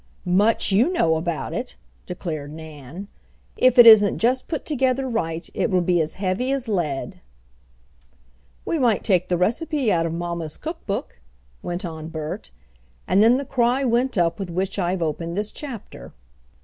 "Much you know about it!" declared Nan. "If it isn't just put together right, it will be as heavy as lead." "We might take the recipe out of mamma's cook book," went on Bert; and then the cry went up with which I have opened this chapter.